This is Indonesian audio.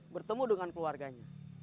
bertemu dengan keluarganya